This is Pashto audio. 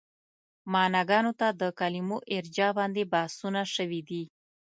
معناګانو ته د کلمو ارجاع باندې بحثونه شوي دي.